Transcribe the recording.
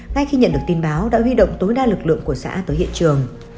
ngay khi nhận được tin báo đã huy động tối đa lực lượng của xã tới hiện trường